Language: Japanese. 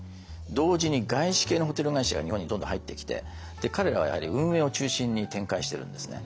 同時に外資系のホテル会社が日本にどんどん入ってきて彼らはやはり運営を中心に展開しているんですね。